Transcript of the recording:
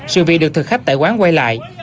sự việc được thực khách tại quán quay lại